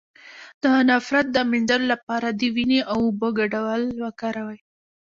د نفرت د مینځلو لپاره د مینې او اوبو ګډول وکاروئ